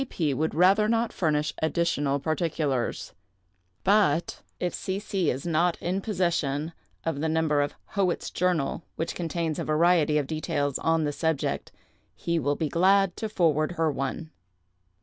P. would rather not furnish additional particulars; but if C. C. is not in possession of the number of 'Howitt's Journal,' which contains a variety of details on the subject, he will be glad to forward her one.